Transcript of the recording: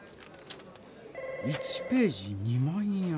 １ページ２万円。